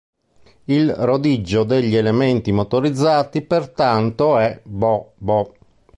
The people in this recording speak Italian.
Il rodiggio degli elementi motorizzati pertanto è Bo'Bo'.